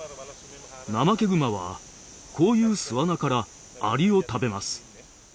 ナマケグマはこういう巣穴からアリを食べます。